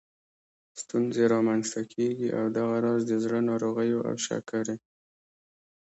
ستونزې رامنځته کېږي او دغه راز د زړه ناروغیو او شکرې